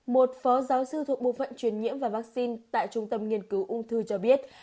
một phó giáo sư thuộc bộ phận truyền nhiễm và vaccine tại trung tâm nghiên cứu ung thư cho biết